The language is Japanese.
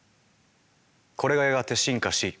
これがやがて進化し。